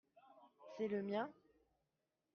c'est le mien.